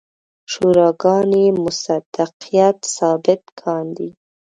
شوراګانې مصداقیت ثابت کاندي.